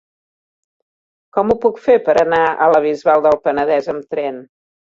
Com ho puc fer per anar a la Bisbal del Penedès amb tren?